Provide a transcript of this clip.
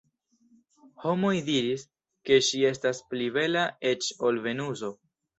Homoj diris, ke ŝi estas pli bela eĉ ol Venuso.